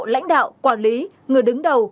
lãnh đạo quản lý người đứng đầu